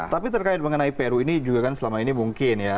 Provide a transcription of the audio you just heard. tapi terkait mengenai peru ini juga kan selama ini mungkin ya